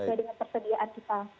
bisa dengan persediaan kita